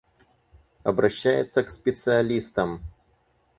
Обращаются к специалистам.